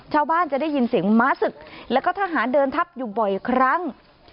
จะได้ยินเสียงม้าศึกแล้วก็ทหารเดินทับอยู่บ่อยครั้ง